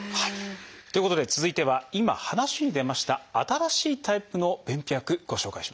ということで続いては今話に出ました新しいタイプの便秘薬ご紹介します。